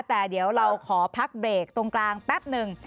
แต่เดี๋ยวเราขอพักเบรกตรงกลางแป๊บหนึ่ง